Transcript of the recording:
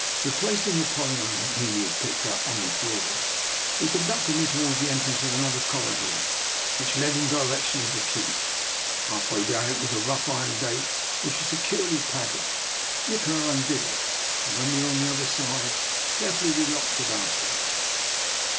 Replacing Apollyon, whom he had picked 172 DR NIKOLA'S EXPERIMENT. up, on the floor, he conducted me towards the entrance of another corridor which led in the direction of the keep. Half way down it was a rough iron gate which was securely pad locked. Nikola undid it, and when we were on the other side carefully relocked it after him.